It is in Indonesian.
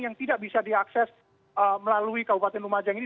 yang tidak bisa diakses melalui kabupaten lumajang ini